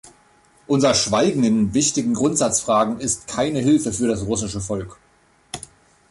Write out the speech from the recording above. Unser Schweigen in wichtigen Grundsatzfragen ist keine Hilfe für das russische Volk.